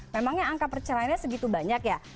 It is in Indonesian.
memangnya angka perceraiannya segitu banyak ya